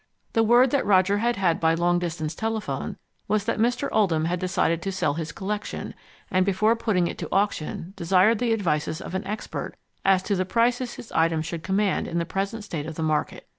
The word that Roger had had by long distance telephone was that Mr. Oldham had decided to sell his collection, and before putting it to auction desired the advices of an expert as to the prices his items should command in the present state of the market.